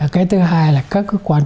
cái thứ hai là các cơ quan